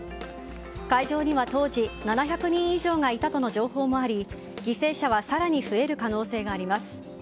会場には当時、７００人以上がいたとの情報もあり犠牲者は更に増える可能性があります。